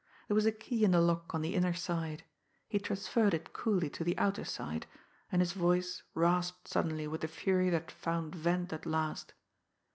There was a key in the lock on the inner side. He transferred it coolly to the outer side and his voice rasped suddenly with the fury that found vent at last.